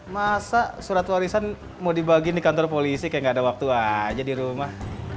masa surat warisan mau dibagi di kantor polisi kayak gak ada waktu aja di rumah